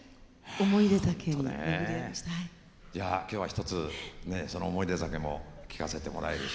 じゃあ今日はひとつその「おもいで酒」も聴かせてもらえるし。